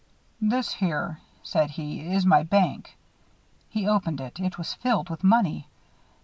"This here," said he, "is my bank." He opened it. It was filled with money.